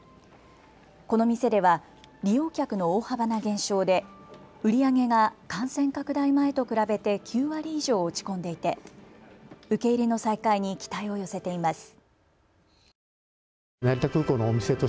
この店では利用客の大幅な減少で売り上げが感染拡大前と比べて９割以上落ち込んでいて受け入れの再開に期待を寄せています。